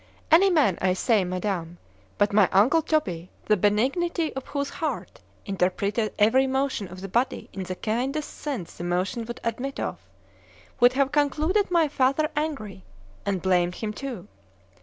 Any man, I say, Madam, but my uncle Toby, the benignity of whose heart interpreted every motion of the body in the kindest sense the motion would admit of, would have concluded my father angry, and blamed him too.